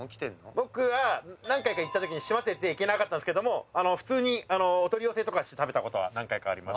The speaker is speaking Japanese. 僕は何回か閉まってて行けなかったんですが普通にお取り寄せして食べたことは何回かあります。